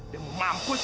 dia mau mampus kaya